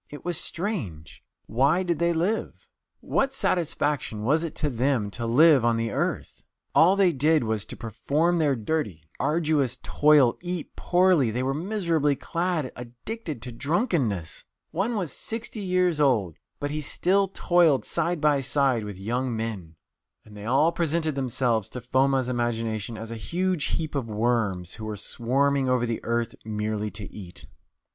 It was strange why did they live? What satisfaction was it to them to live on the earth? All they did was to perform their dirty, arduous toil, eat poorly; they were miserably clad, addicted to drunkenness. One was sixty years old, but he still toiled side by side with young men. And they all presented themselves to Foma's imagination as a huge heap of worms, who were swarming over the earth merely to eat."